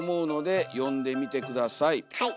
はい。